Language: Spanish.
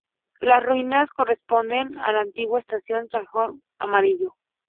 Las ruinas corresponden a la antigua estación Zanjón Amarillo.